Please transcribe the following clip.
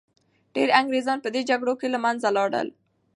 ډیر انګریزان په دې جګړو کي له منځه لاړل.